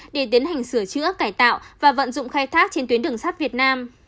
để tiến hành sửa chữa cải tạo và vận dụng khai thác trên tuyến đường sắt việt nam